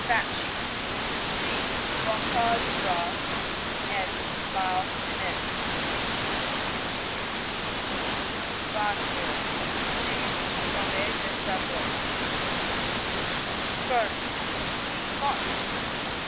Fat cheese see Frontage Gras and Maile Pener. Fenouil see Tome de Savoie. Ferme see Farm.